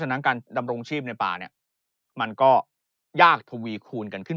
นั้นการดำรงชีพในป่าเนี่ยมันก็ยากทวีคูณกันขึ้น